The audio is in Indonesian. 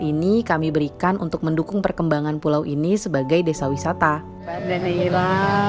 ini kami berikan untuk mendukung perkembangan pulau ini sebagai desa wisata daerah